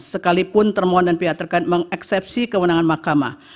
sekalipun termohon dan pihak terkait mengeksepsi kewenangan mahkamah